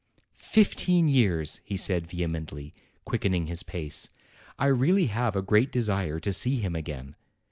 "Fifteen years!" he said vehemently, quickening his pace. "I really have a great desire to see him again.